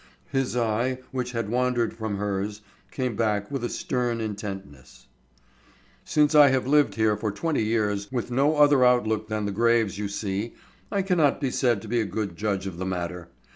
His eye, which had wandered from hers, came back with a stern intentness. "Since I have lived here for twenty years with no other outlook than the graves you see, I cannot be said to be a good judge of the matter.